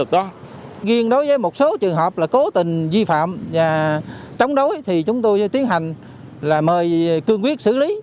riêng đối với một số trường hợp là cố tình vi phạm và chống đối thì chúng tôi tiến hành là mời cương quyết xử lý